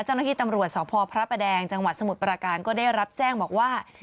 เจ้าหน้าที่ตำรวจสพพระประแดงจังหวัดสมุทรปราการก็ได้รับแจ้งบอกว่า